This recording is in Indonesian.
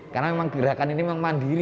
karena memang gerakan ini memang mandiri